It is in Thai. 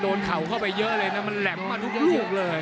มันเข้าไปเยอะเลยนะมันแหลมมาทุกลูกเลย